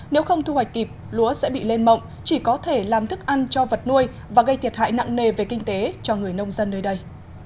nếu không thu hoạch kịp lúa sẽ bị lên mộng chỉ có thể làm thức ăn cho vật nuôi và gây thiệt hại nặng nề về kinh tế cho người nông dân nơi đây